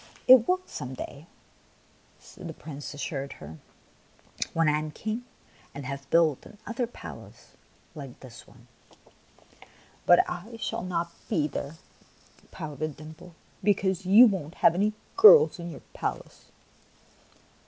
" It will some day," the Prince assured her, "when I am King and have built another palace like this one." " But I shall not be there," pouted Dimples, "because you won't have any girls in your palace."